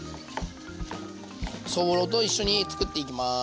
そぼろと一緒に作っていきます。